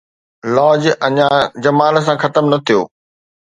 لاج اڃا جمال سان ختم نه ٿيو آهي